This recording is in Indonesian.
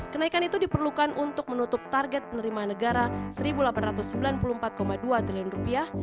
kenaikan itu diperlukan untuk menutup target penerimaan negara satu delapan ratus sembilan puluh empat dua triliun rupiah